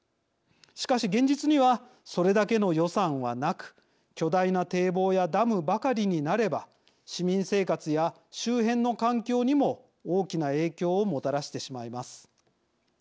しかし現実にはそれだけの予算はなく巨大な堤防やダムばかりになれば市民生活や周辺の環境にも大きな影響をもたらしてしまいます。